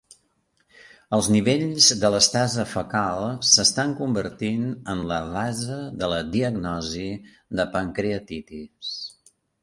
Els nivells d'elastasa fecal s'estan convertint en la base de la diagnosi de pancreatitis.